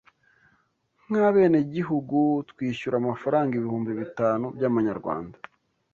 Nk’Abenegihugu twishyura amafaranga ibihumbi bitanu by’amanyarwanda